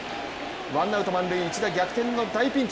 ワンアウト満塁、一打逆転の大ピンチ。